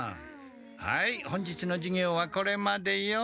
はい本日の授業はこれまでよ。